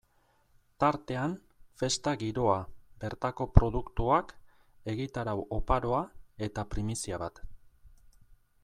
Tartean, festa giroa, bertako produktuak, egitarau oparoa eta primizia bat.